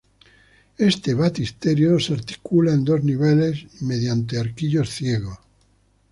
Este baptisterio se articula en dos niveles y mediante arquillos ciegos.